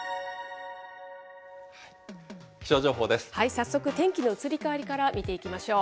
早速、天気の移り変わりから見ていきましょう。